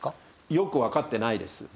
よくわかってないです。